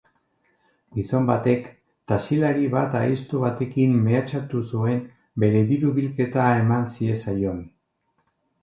Gizon batek taxilari bat aizto batekin mehatxatu zuen bere diru-bilketa eman ziezaion.